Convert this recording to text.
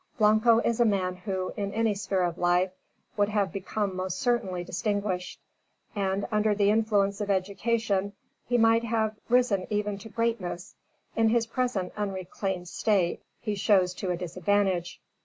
Blanco is a man who, in any sphere of life, would have become most certainly distinguished; and, under the influence of education, he might have risen even to greatness. In his present unreclaimed state, he shows to a disadvantage.